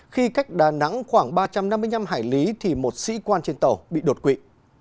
khi cách đà nẵng khoảng ba trăm năm mươi năm hải lý thì một sĩ quan trên tàu bị đột quỵ